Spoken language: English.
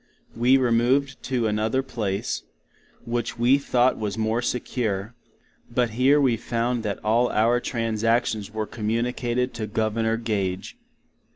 We removed to another place, which we thought was more secure: but here we found that all our transactions were communicated to Governor Gage.